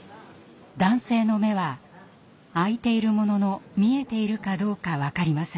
男性の目は開いているものの見えているかどうか分かりません。